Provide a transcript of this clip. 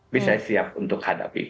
bisa siap untuk hadapi